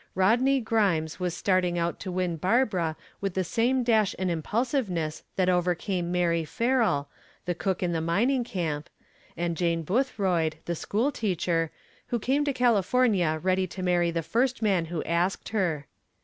Rodney Grimes was starting out to win Barbara with the same dash and impulsiveness that overcame Mary Farrell, the cook in the mining camp, and Jane Boothroyd, the school teacher, who came to California ready to marry the first man who asked her.